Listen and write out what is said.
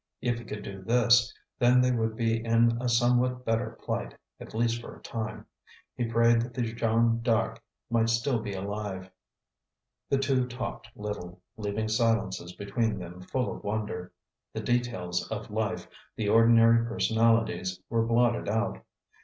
If he could do this, then they would be in a somewhat better plight, at least for a time. He prayed that the Jeanne D'Arc might still be alive. The two talked little, leaving silences between them full of wonder. The details of life, the ordinary personalities, were blotted out.